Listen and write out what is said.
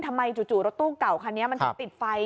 ทำไมจู่รถตู้เก่าคันนี้มันจะติดไฟ